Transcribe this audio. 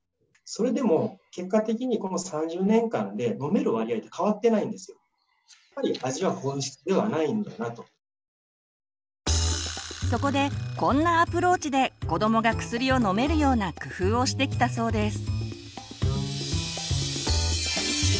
それでも結果的にこの３０年間でそこでこんなアプローチで子どもが薬を飲めるような工夫をしてきたそうです。